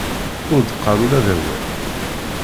Ur d-qqar ula d awal.